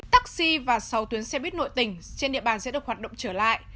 taxi và sáu tuyến xe buýt nội tỉnh trên địa bàn sẽ được hoạt động trở lại